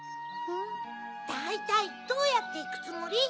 だいたいどうやっていくつもり？